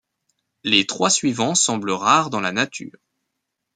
Les trois suivants semblent rares dans la nature.